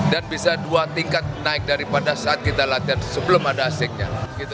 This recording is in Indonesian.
dan bisa dua tingkat naik daripada saat kita latihan sebelum ada asingnya